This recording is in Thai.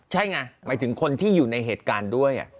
ใช่ไงหมายถึงคนที่อยู่ในเหตุการณ์ด้วย